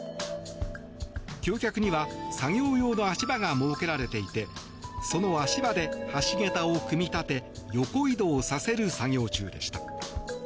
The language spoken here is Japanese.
橋脚には作業用の足場が設けられていてその足場で橋桁を組み立て横移動させる作業中でした。